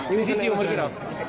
ini sisi umur berapa